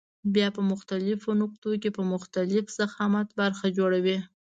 بیا په مختلفو نقطو کې په مختلف ضخامت برخه جوړوي.